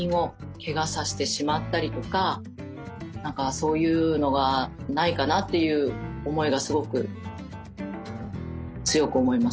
そういうのがないかなという思いがすごく強く思いますね。